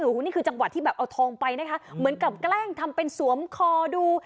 โอ้โหนี่คือจังหวะที่แบบเอาทองไปนะคะเหมือนกับแกล้งทำเป็นสวมคอดู